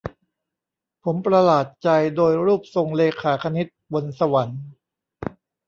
ผมประหลาดใจโดยรูปทรงเรขาคณิตบนสวรรค์